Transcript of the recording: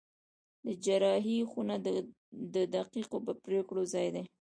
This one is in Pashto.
د جراحي خونه د دقیقو پرېکړو ځای دی.